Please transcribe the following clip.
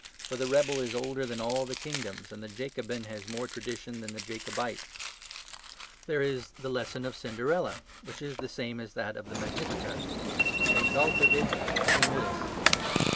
For the rebel is older than all the kingdoms, and the Jacobin has more tradition than the Jacobite. There is the lesson of "Cinderella," which is the same as that of the Magnificat EXALTAVIT HUMILES.